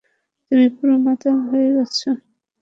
তুমি পুরো মাতাল হয়ে আছ।